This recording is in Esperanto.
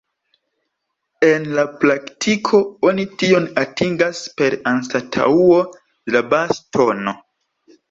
En la praktiko oni tion atingas per anstataŭo de la bas-tono.